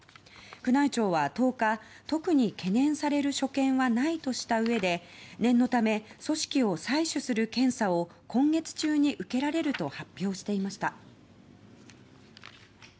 宮内庁は１０日特に懸念される所見はないとしたうえで念のため、組織を採取する検査を今月中に受けられると発表していました。